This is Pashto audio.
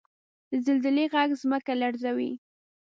• د زلزلې ږغ ځمکه لړزوي.